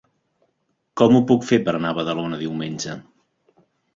Com ho puc fer per anar a Badalona diumenge?